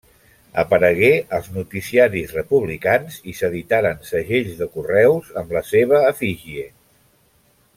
Aparegué als noticiaris republicans i s'editaren segells de correus amb la seva efígie.